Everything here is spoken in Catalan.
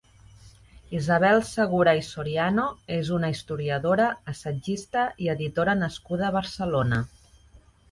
Isabel Segura i Soriano és una historiadora, assagista i editora nascuda a Barcelona.